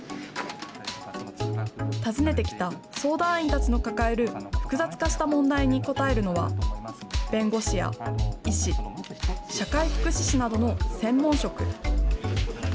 訪ねてきた相談員たちの抱える複雑化した問題に応えるのは、弁護士や医師、社会福祉士などの専門職。